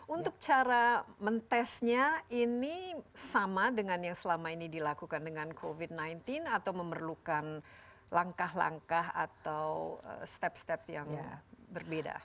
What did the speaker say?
untuk cara mentesnya ini sama dengan yang selama ini dilakukan dengan covid sembilan belas atau memerlukan langkah langkah atau step step yang berbeda